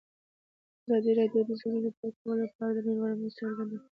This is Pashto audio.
ازادي راډیو د د ځنګلونو پرېکول په اړه د نړیوالو مرستو ارزونه کړې.